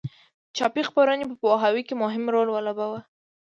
چاپي خپرونې په پوهاوي کې مهم رول ولوباوه.